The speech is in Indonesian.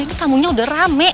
ini tamunya udah rame